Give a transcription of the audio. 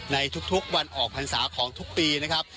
ในทุกวันออกพรรษาของทุกปีนะครับ